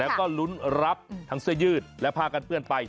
แล้วก็ลุ้นรับทั้งเสื้อยืดและผ้ากันเปื้อนไป